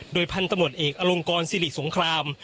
โดยพันธุ์ตำรวจเอกอลงกรสิริสงคราม